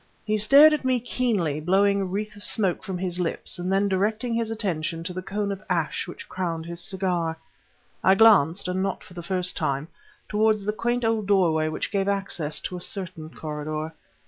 He stared at me keenly, blowing a wreath of smoke from his lips, and then directing his attention to the cone of ash which crowned his cigar. I glanced, and not for the first time, toward the quaint old doorway which gave access to a certain corridor.